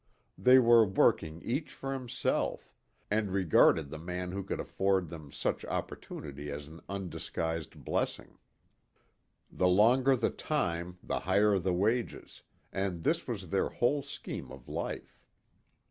They were working each for himself, and regarded the man who could afford them such opportunity as an undisguised blessing. The longer the "time" the higher the wages, and this was their whole scheme of life.